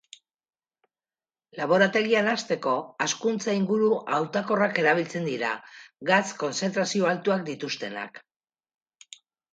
Laborategian hazteko hazkuntza-inguru hautakorrak erabiltzen dira, gatz kontzentrazio altuak dituztenak.